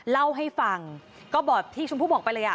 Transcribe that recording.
เล่าให้ฟังก็บอกที่ชมพู่บอกไปเลยอ่ะ